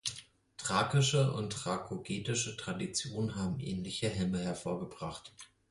Thrakische und thrako-getische Traditionen haben ähnliche Helme hervorgebracht.